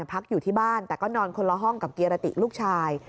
พักอยู่ที่บ้านแต่ก็นอนคนละห้องกับเกียรติลูกชาย